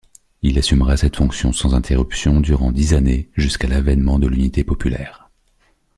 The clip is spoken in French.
Il assumera cette fonction sans interruption durant dix années, jusqu’à l’avènement de l’Unité Populaire.